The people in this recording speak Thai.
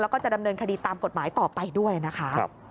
แล้วก็จะดำเนินคดีตามกฎหมายต่อไปด้วยนะคะ